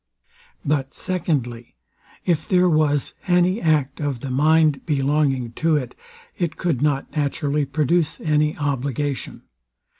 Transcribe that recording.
But, secondly, if there was any act of the mind belonging to it, it could not naturally produce any obligation.